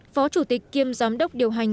phó chủ tịch kiêm giám đốc điều hành